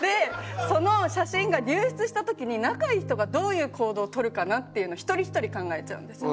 その写真が流出した時に仲いい人がどういう行動を取るかな？っていうのを一人ひとり考えちゃうんです。